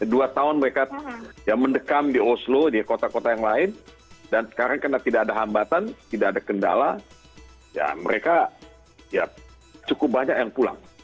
dua tahun mereka mendekam di oslo di kota kota yang lain dan sekarang karena tidak ada hambatan tidak ada kendala ya mereka ya cukup banyak yang pulang